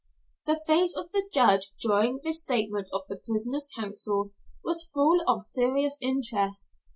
The face of the judge during this statement of the prisoner's counsel was full of serious interest.